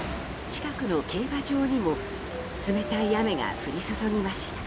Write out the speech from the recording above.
近くの競馬場にも冷たい雨が降り注ぎました。